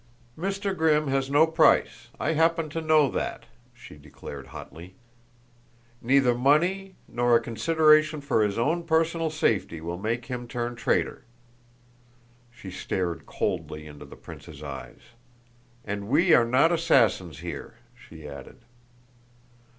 "Mr. Grimm has no price I happen to know that," she declared hotly. "Neither money nor a consideration for his own personal safety will make him turn traitor." She stared coldly into the prince's eyes. "And we are not assassins here," she added.